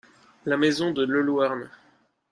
La maison de Le Louarn.